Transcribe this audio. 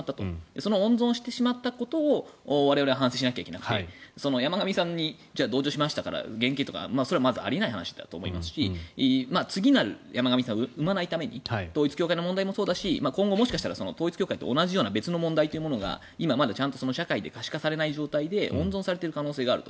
その温存してしまったことを我々は反省しなくちゃいけなくて山上さんに同情しましたから減刑とかそれはあり得ない話だと思いますし次なる山上さんを生まないために統一教会の問題もそうだし今後もしかしたら統一教会と同じような別の問題というのが今、まだちゃんと社会で可視化されない状況で温存されている可能性があると。